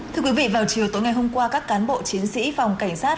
thưa quý vị vào chiều tối ngày hôm qua các cán bộ chiến sĩ phòng cảnh sát